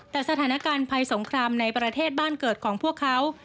แต่สถานการณ์ภัยสงครามในประเทศบ้านเกิดของพวกเขา